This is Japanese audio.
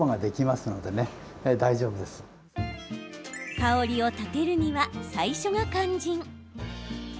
香りを立てるには最初が肝心。